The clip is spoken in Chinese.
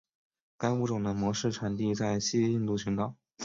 该物种的模式产地在西印度群岛。